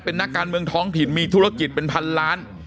เป็นนักการเมืองท้องถิ่นมีธุรกิจเป็นพันล้าน